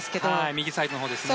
右サイドのほうですね。